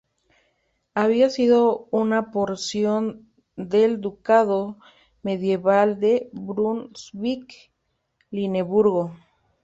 Había sido una porción del Ducado medieval de Brunswick-Luneburgo.